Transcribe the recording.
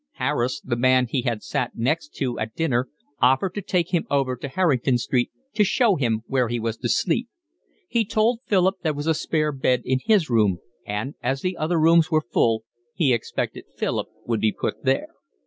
Harris, the man he had sat next to at dinner, offered to take him over to Harrington Street to show him where he was to sleep. He told Philip there was a spare bed in his room, and, as the other rooms were full, he expected Philip would be put there.